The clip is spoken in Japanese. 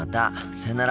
さよなら。